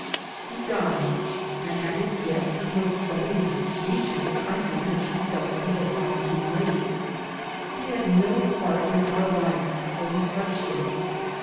He died, and at his death he was studying the speech of the country which he 3 by Google MY MOTHERANDl felt he had found too late. He had no part in our life, though he touched it.